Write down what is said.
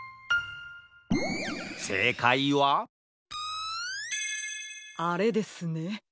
せいかいはあれですね。